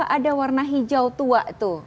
ada warna hijau tua tuh